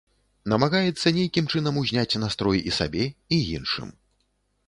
Намагаецца нейкім чынам узняць настрой і сабе, і іншым.